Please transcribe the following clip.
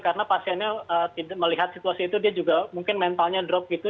karena pasiennya melihat situasi itu dia juga mungkin mentalnya drop gitu